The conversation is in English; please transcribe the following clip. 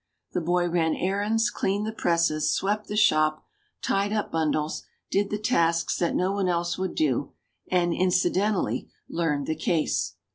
The boy ran errands, cleaned the presses, swept the shop, tied up bundles, did the tasks that no one else would do; and incidentally "learned the case."